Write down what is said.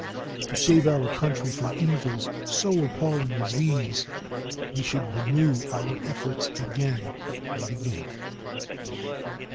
To save our country from evils so appalling as these, we should renew our efforts again and again.